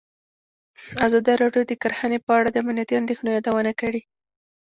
ازادي راډیو د کرهنه په اړه د امنیتي اندېښنو یادونه کړې.